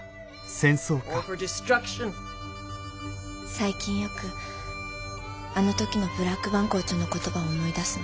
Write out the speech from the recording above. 最近よくあの時のブラックバーン校長の言葉を思い出すの。